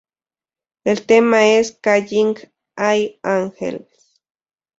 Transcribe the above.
El tema es "Calling All Angels".